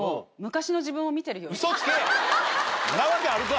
んなわけあるか！